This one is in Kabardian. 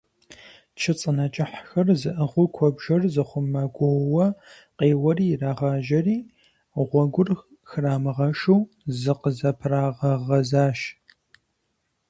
Чы цӀынэ кӀыхьхэр зыӀыгъыу куэбжэр зыхъумэхэр гуоууэ къеуэу ирагъажьэри, гъуэгур храмыгъэшу зыкъызэпрагъэгъэзащ.